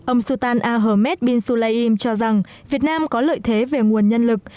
ông sultan ahmed bin sulaym cho rằng việt nam có lợi thế về nguồn nhân lực